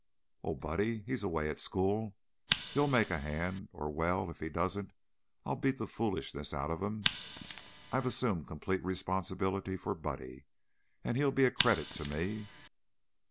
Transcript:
"Oh, Buddy! He's away at school. He'll make a hand, or well, if he doesn't, I'll beat the foolishness out of him. I've assumed complete responsibility for Buddy, and he'll be a credit to me."